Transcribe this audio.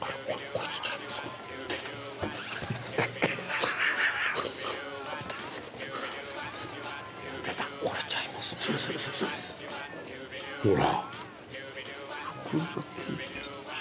これちゃいますの？